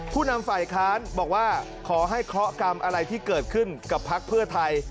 ผู้นำฝ่ายค้านบอกว่าขอให้เคราะหกรรมอะไรที่เกิดขึ้นกับพักเพื่อไทย